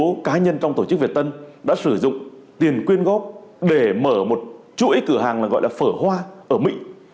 một số cá nhân trong tổ chức việt tân đã sử dụng tiền quyên góp để mở một chuỗi cửa hàng gọi là phở hoa ở mỹ